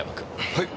はい！